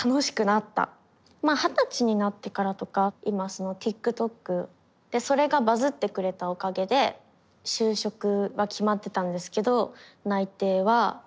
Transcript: まあ二十歳になってからとか今そのＴｉｋＴｏｋそれがバズってくれたおかげで就職は決まってたんですけど内定は取り消してもらって。